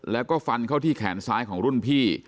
แล้วก็ฟันเข้าที่แขนซ้ายของรุ่นพี่